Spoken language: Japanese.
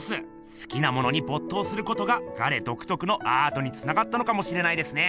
すきなものにぼっ頭することがガレどくとくのアートにつながったのかもしれないですね！